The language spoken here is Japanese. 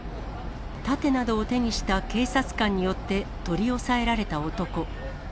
盾などを手にした警察官によって取り押さえられた男。